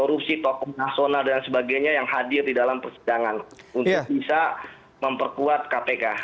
untuk memperkuat kpk